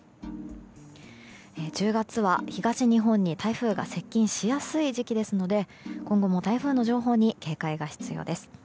１０月は東日本に台風が接近しやすい時期ですので今後も台風の情報に警戒が必要です。